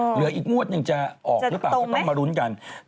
เหลืออีกมวดยังจะออกหรือเปล่าต้องมารุ้นกันจะตกไหม